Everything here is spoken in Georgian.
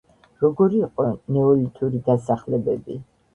როგორი იყო ნეოლთური დასახლებები?